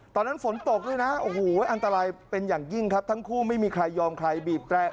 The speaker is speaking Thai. ตอนนั้นฝนตกด้วยนะโอ้โหอันตรายเป็นอย่างยิ่งครับ